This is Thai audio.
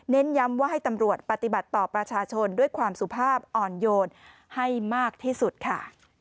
ย้ำว่าให้ตำรวจปฏิบัติต่อประชาชนด้วยความสุภาพอ่อนโยนให้มากที่สุดค่ะ